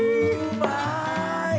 うまい！